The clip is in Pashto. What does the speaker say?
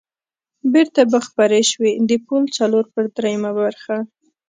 بېرته به خپرې شوې، د پل څلور پر درېمه برخه.